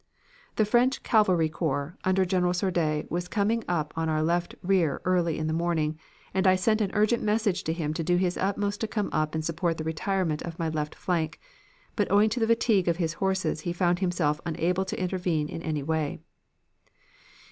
"The French Cavalry Corps, under General Sordet, was coming up on our left rear early in the morning, and I sent an urgent message to him to do his utmost to come up and support the retirement of my left flank; but owing to the fatigue of his horses he found himself unable to intervene in any way.